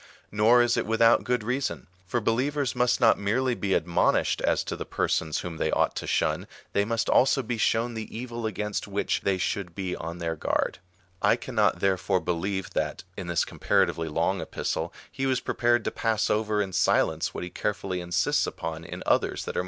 Nor is it without good reason ; for believers must not merely be admonished as to the persons whom they ought to shun, they must also be shown the evil against which they should be on their guard. I cannot therefore believe that, in this comparatively long Epistle, he Avas prepared to pass over in silence what he carefully insists upon in otliers that are FIRST EPISTLE TO THE CORINTHIANS.